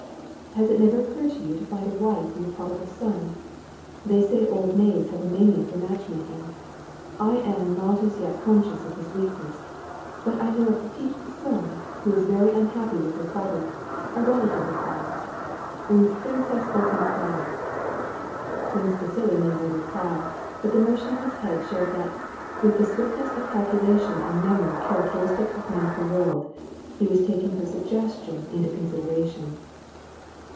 "Has it never occurred to you to find a wife for your prodi gal son ? they say old maids have a mania for match making, I am not as yet conscious of this weakness*, but I know a petite personne, who is very unhappy with her father, a rela tive of ours, une Princesse Bolkonskaya." Prince Vasili made no reply, but the motion of his head showed that, with the swiftness of calculation and memory characteristic of men of the world, he was taking her sugges tion into consideration.